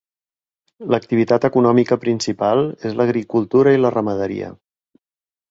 L'activitat econòmica principal és l'agricultura i la ramaderia.